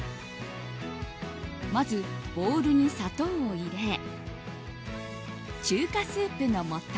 まずボウルに砂糖を入れ中華スープのもと。